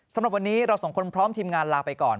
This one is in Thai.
สำหรับวันนี้เราสองคนพร้อมทีมงานลาไปก่อน